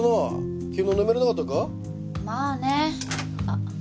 あっ。